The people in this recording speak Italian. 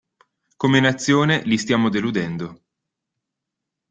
Come nazione li stiamo deludendo.